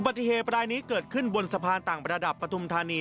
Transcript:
ปฏิเหตุรายนี้เกิดขึ้นบนสะพานต่างประดับปฐุมธานี